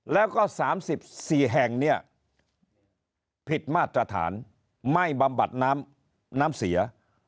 แล้วก็๓๔แห่งเนี่ยผิดมาตรฐานไม่บำบัดน้ำเสีย